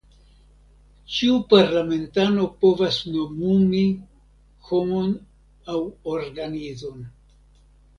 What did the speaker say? Ĉiu parlamentano povas nomumi homon aŭ organizon.